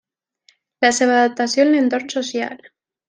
La seva adaptació en l'entorn social.